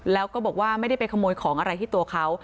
แล้วก็บอกว่าไม่ได้ไปขโมยของอะไรที่ตัวเขา